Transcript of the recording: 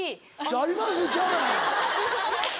「ありますし」ちゃう。